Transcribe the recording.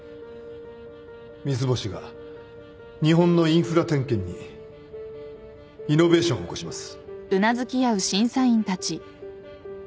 三ツ星が日本のインフラ点検にイノベーションを起こします。